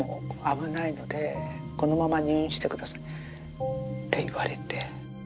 「このまま入院してください」って言われて。